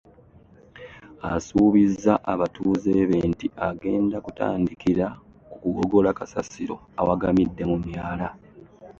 Asuubizza abatuuze be nti agenda kutandikira ku kugogola kasasiro awagamidde mu myala